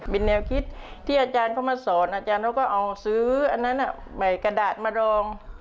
เป็นแนวคิดที่อาจารย์เขามาสอนอาจารย์เขาก็เอาซื้ออันนั้นใบกระดาษมารอง